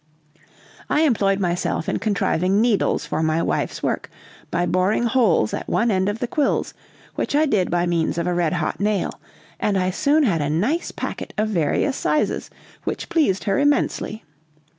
I employed myself in contriving needles for my wife's work, by boring holes at one end of the quills, which I did by means of a red hot nail, and I soon had a nice packet of various sizes, which pleased her immensely.